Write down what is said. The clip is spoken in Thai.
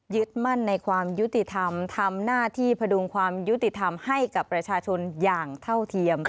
มั่นในความยุติธรรมทำหน้าที่พดุงความยุติธรรมให้กับประชาชนอย่างเท่าเทียม